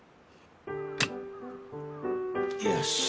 よし。